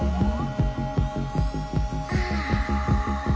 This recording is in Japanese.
はあ。